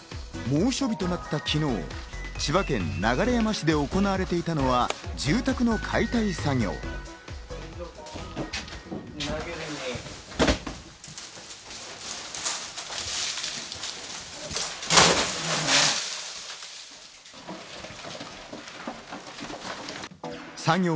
猛暑日となった昨日、千葉県流山市で行われていたのは住宅の解体作業。